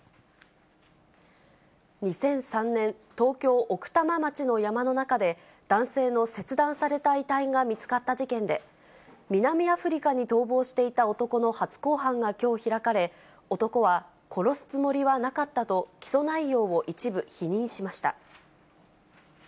２００３年、東京・奥多摩町の山の中で、男性の切断された遺体が見つかった事件で、南アフリカに逃亡していた男の初公判がきょう開かれ、男は殺すつもりはなかったと、起訴内容を一部否認しました。